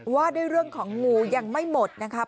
ว่าด้วยเรื่องของงูยังไม่หมดนะครับ